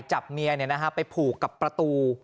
จับเมียไปผูกกับประตู